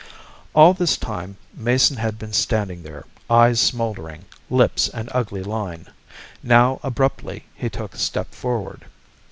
All this time Mason had been standing there, eyes smouldering, lips an ugly line. Now abruptly he took a step forward.